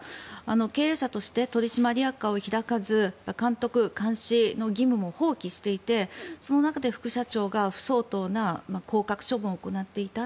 経営者として取締役会を開かず監督・監視の義務も放棄していてその中で副社長が不相当な降格処分を行っていた。